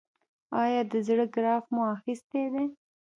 ایا د زړه ګراف مو اخیستی دی؟